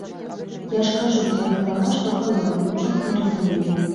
Я ж кажу, твая галава, што калода, нічога не разумее.